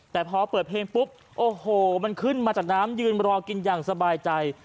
แต่พอเปิดเพลงปุ๊บโอ้โหมันขึ้นมาจากน้ำยืนรอกินอย่างสบายใจ